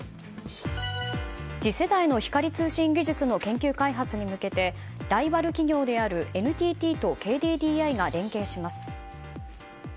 次世代の光通信技術の研究開発に向けてライバル企業であるＮＴＴとＫＤＤＩが連携します。